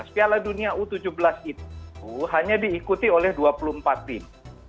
piala dunia u tujuh belas itu hanya diikuti oleh dua puluh empat tim